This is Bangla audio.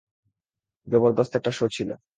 জবরদস্ত একটা শো ছিল।